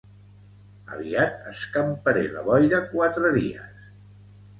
Aviat escamparé la boira quatre dies